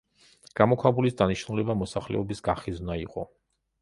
გამოქვაბულის დანიშნულება მოსახლეობის გახიზვნა იყო.